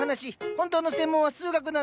本当の専門は数学なんです。